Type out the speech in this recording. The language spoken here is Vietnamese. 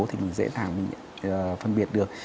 thì mình dễ dàng mình phân biệt được